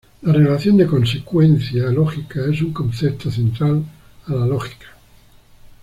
La relación de consecuencia lógica es un concepto central a la lógica.